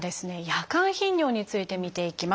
夜間頻尿について見ていきます。